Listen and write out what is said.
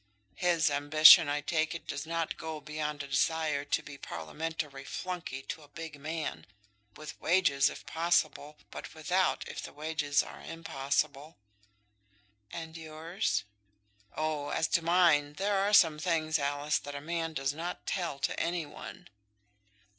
"His ambition, I take it, does not go beyond a desire to be Parliamentary flunkey to a big man, with wages, if possible, but without, if the wages are impossible." "And yours?" "Oh, as to mine; there are some things, Alice, that a man does not tell to any one."